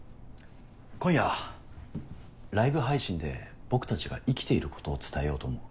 今夜ライブ配信で僕たちが生きていることを伝えようと思う。